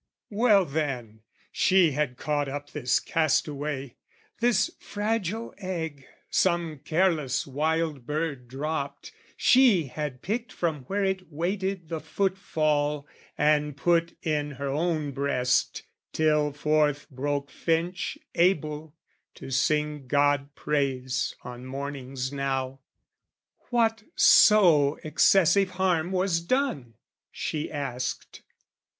Well then, she had caught up this castaway: This fragile egg, some careless wild bird dropped, She had picked from where it waited the foot fall, And put in her own breast till forth broke finch Able to sing God praise on mornings now. What so excessive harm was done? she asked.